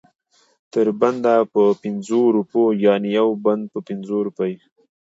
تر بنده په پنځو روپو یعنې یو بند په پنځه روپۍ.